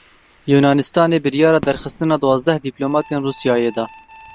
Yûnanistanê biryara derxistina duwazdeh dîplomatên Rûsyayê da.